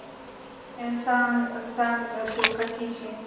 انسان څنګ دوکه کيږي